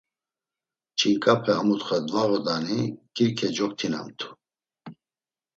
Ç̌inǩape a mutxa dvağodani Kirke coktinamt̆u.